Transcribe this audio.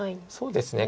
そうですね